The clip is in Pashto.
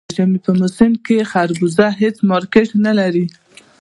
د ژمي په موسم کې خربوزه هېڅ مارکېټ نه لري.